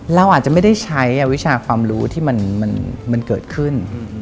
เราอาจจะไม่ได้ใช้วิชาความรู้ที่มันเกิดขึ้น